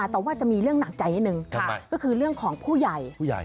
แต่ว่าจะมีเรื่องหนักใจนิดนึงก็คือเรื่องของผู้ใหญ่